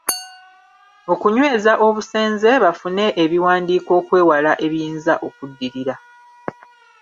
Okunyweza obusenze bafune ebiwandiiko okwewala ebiyinza okuddirira.